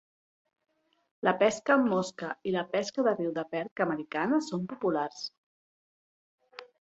La pesca amb mosca i la pesca de riu de perca americana són populars.